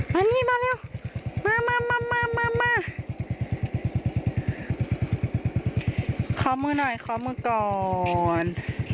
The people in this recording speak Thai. มานี่มาเร็วมามามามาขอมือหน่อยขอมือก่อน